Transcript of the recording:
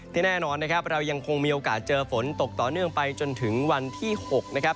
แน่นอนนะครับเรายังคงมีโอกาสเจอฝนตกต่อเนื่องไปจนถึงวันที่๖นะครับ